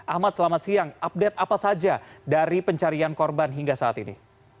ahmad selamat siang update apa saja dari pencarian korban hingga saat ini